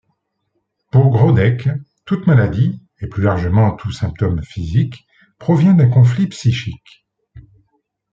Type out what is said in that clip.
Pour Groddeck, toute maladie, et plus largement tout symptôme physique, provient d'un conflit psychique.